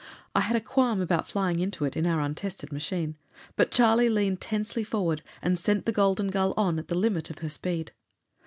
I had a qualm about flying into it in our untested machine. But Charlie leaned tensely forward and sent the Golden Gull on at the limit of her speed.